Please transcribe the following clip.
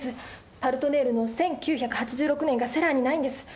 「パルトネール」の１９８６年がセラーにないんです。